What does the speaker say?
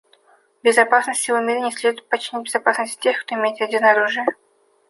Безопасность всего мира не следует подчинять безопасности тех, кто имеет ядерное оружие.